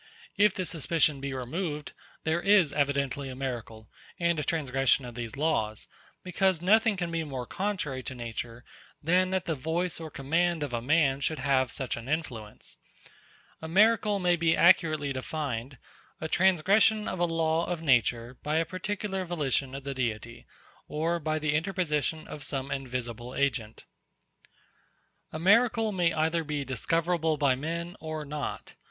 If this suspicion be removed, there is evidently a miracle, and a transgression of these laws; because nothing can be more contrary to nature than that the voice or command of a man should have such an influence. A miracle may be accurately defined, _a transgression of a law of nature by a particular volition of the Deity, or by the interposition of some invisible agent_. A miracle may either be discoverable by men or not.